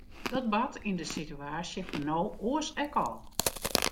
Dat bart yn de situaasje fan no oars ek al.